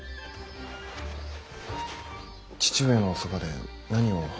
父上のおそばで何を。